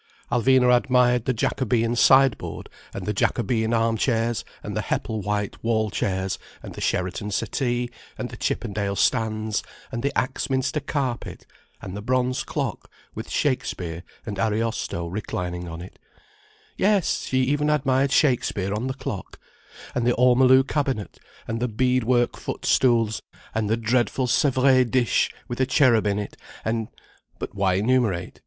Alvina admired the Jacobean sideboard and the Jacobean arm chairs and the Hepplewhite wall chairs and the Sheraton settee and the Chippendale stands and the Axminster carpet and the bronze clock with Shakespeare and Ariosto reclining on it—yes, she even admired Shakespeare on the clock—and the ormolu cabinet and the bead work foot stools and the dreadful Sèvres dish with a cherub in it and—but why enumerate.